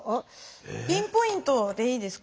ピンポイントでいいですか？